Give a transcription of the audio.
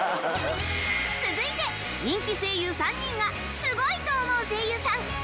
続いて人気声優３人がすごいと思う声優さん